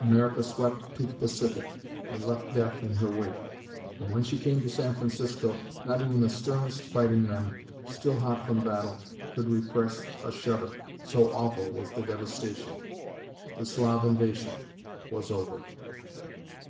America swept to the Pacific, and left death in her wake. And when she came to San Francisco, not even the sternest fighting men, still hot from battle, could repress a shudder, so awful was the devastation. The Slav invasion was over!